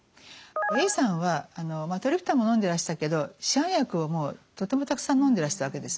Ａさんはトリプタンものんでらしたけど市販薬をもうとてもたくさんのんでらしたわけですね。